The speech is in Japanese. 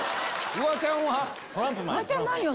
フワちゃん何よ？